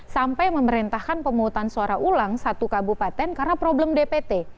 sampai memerintahkan pemutusan suara ulang satu kabupaten karena problem dpt